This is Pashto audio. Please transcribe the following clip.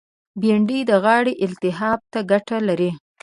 بېنډۍ د غاړې التهاب ته ګټه لري